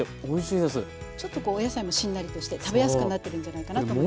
ちょっとお野菜もしんなりとして食べやすくなってるんじゃないかなと思います。